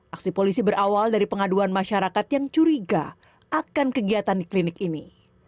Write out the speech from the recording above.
aksi polisi berawal dari pengaduan masyarakat yang curiga akan kegiatan di klinik ini